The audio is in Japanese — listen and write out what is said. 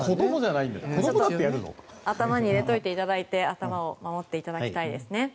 頭に入れておいていただいて頭を守っていただきたいですね。